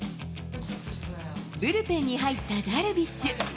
ブルペンに入ったダルビッシュ。